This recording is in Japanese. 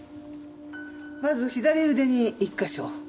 まず左腕に１カ所。